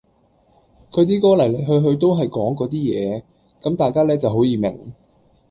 佢啲歌嚟嚟去去都係講嗰啲嘢，咁大家呢就好易明